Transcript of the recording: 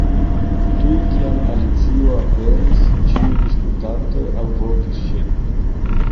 Tuj kiam Alicio aperis, ĉiuj disputantoj alvokis ŝin.